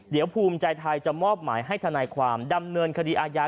เดี๋ยวภูมิใจไทยจะมอบหมายให้ทนายความดำเนินคดีอาญา